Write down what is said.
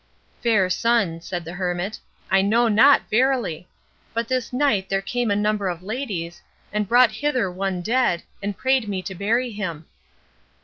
"Fair son," said the hermit, "I know not verily. But this night there came a number of ladies, and brought hither one dead, and prayed me to bury him."